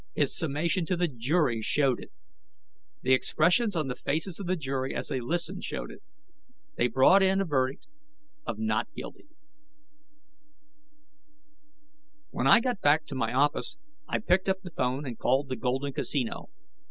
His summation to the jury showed it. The expressions on the faces of the jury as they listened showed it. They brought in a verdict of Not Guilty. When I got back to my office, I picked up the phone and called the Golden Casino.